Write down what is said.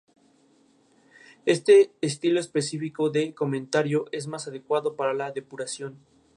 Sin embargo, "los grandes problemas planteados por Solís o Macanaz quedaron marginados".